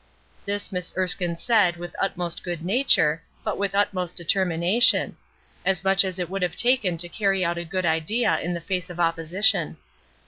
This Miss Erskine said with utmost good nature, but with utmost determination as much as it would have taken to carry out a good idea in the face of opposition.